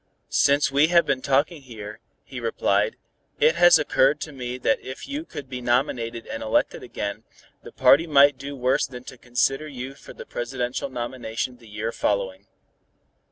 "Since we have been talking here," he replied, "it has occurred to me that if you could be nominated and elected again, the party might do worse than to consider you for the presidential nomination the year following.